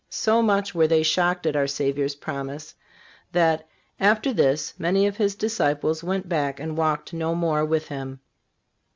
(368) So much were they shocked at our Savior's promise that "after this many of His disciples went back and walked no more with Him."